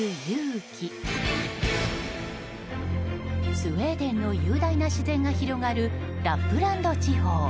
スウェーデンの雄大な自然が広がる、ラップランド地方。